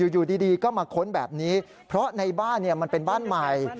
อยู่ดีก็มาค้นแบบนี้เพราะในบ้านมันเป็นบ้านใหม่